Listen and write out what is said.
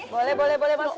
boleh boleh boleh masukin